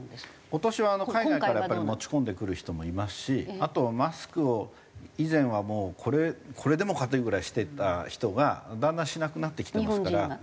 今年は海外から持ち込んでくる人もいますしあとマスクを以前はもうこれでもかというぐらいしてた人がだんだんしなくなってきてますから。